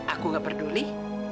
aku nggak peduli